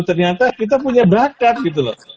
ternyata kita punya bakat gitu loh